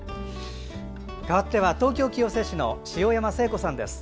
かわっては東京・清瀬市の塩山生子さんです。